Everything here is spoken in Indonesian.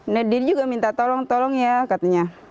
nah dia juga minta tolong tolong ya katanya